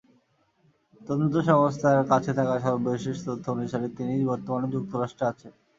তদন্ত সংস্থার কাছে থাকা সর্বশেষ তথ্য অনুসারে, তিনি বর্তমানে যুক্তরাষ্ট্রে আছেন।